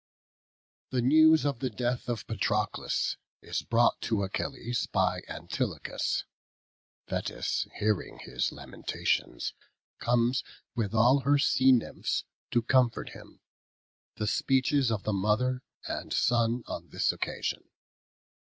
The news of the death of Patroclus is brought to Achilles by Antilochus. Thetis hearing his lamentations, comes with all her sea nymphs to comfort him. The speeches of the mother and son on this occasion.